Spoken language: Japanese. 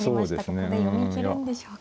ここで読み切るんでしょうか。